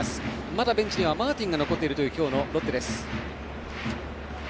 まだベンチではマーティンが残っているという今日のロッテです。